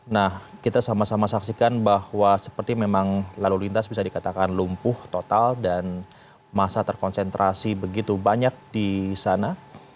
nah kita sama sama saksikan bahwa seperti memang lalu lintas bisa dikatakan lumpuh total dan masa terkonsentrasi begitu banyak di sana